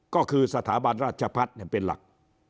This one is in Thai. ก็คือสถาบันราชพัฒน์เป็นหลัก